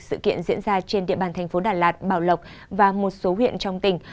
sự kiện diễn ra trên địa bàn thành phố đà lạt bảo lộc và một số huyện trong tỉnh